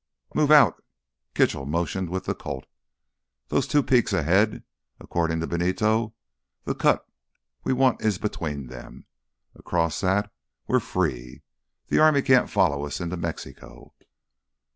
"Move out." Kitchell motioned with the Colt. "Those two peaks ahead—according to Benito, the cut we want is between them. Across that we're free. The army can't follow us into Mexico."